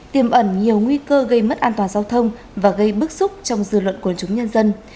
tiềm ẩn nhiều nguy cơ gây mất an toàn giao thông và gây bức xúc trong dư luận quần chúng nhân dân